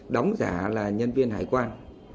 đóng giả là nhân viên hải quan